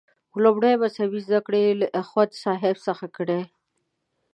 لومړنۍ مذهبي زده کړې یې له اخوندصاحب څخه کړي.